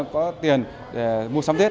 có tiền để mua sắm tết